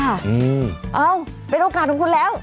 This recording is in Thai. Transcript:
เอ้าเป็นโอกาสของคุณแล้ว